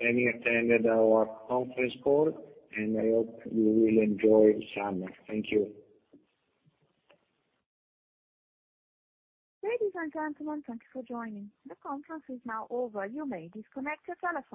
having attended our conference call, and I hope you will enjoy summer. Thank you. Ladies and gentlemen, thank you for joining. The conference is now over. You may disconnect your telephone.